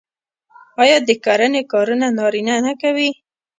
آیا د کرنې کارونه نارینه نه کوي؟